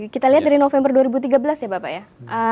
kita lihat dari november dua ribu tiga belas ya bapak ya